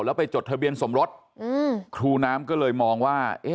แล้วไปจดทะเบียนสมรสครูน้ำก็เลยมองว่า